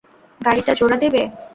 গাড়িটা জোড়া দেবে?